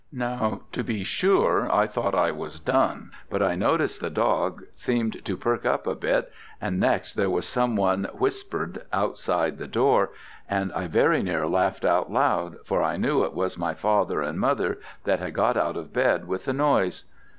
Now to be sure I thought I was done; but I noticed the dog seemed to perk up a bit, and next there was some one whispered outside the door, and I very near laughed out loud, for I knew it was my father and mother that had got out of bed with the noise.